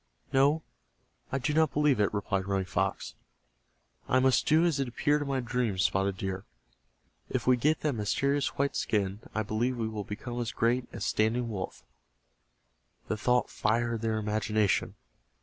"No, I do not believe it," replied Running Fox. "I must do as it appeared in my dream. Spotted Deer, if we get that mysterious white skin, I believe we will become as great as Standing Wolf." The thought fired their imagination.